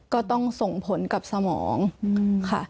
ก็ต้องส่งผลกับสมองค่ะ